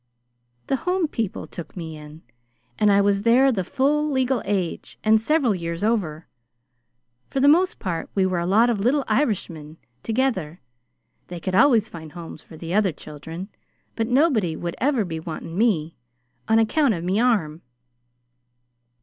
"The Home people took me in, and I was there the full legal age and several years over. For the most part we were a lot of little Irishmen together. They could always find homes for the other children, but nobody would ever be wanting me on account of me arm."